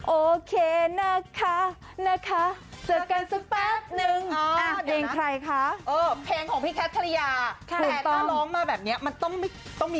โอเคนะคะเจอกันสิปั๊ปนึง